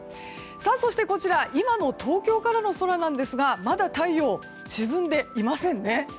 そしてこちら今の東京からの空ですがまだ太陽、沈んでいませんね。